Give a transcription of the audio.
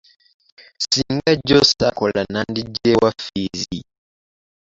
Ssinga jjo ssaakola nandiggye wa ffiizi?